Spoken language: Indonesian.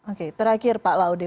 oke terakhir pak laude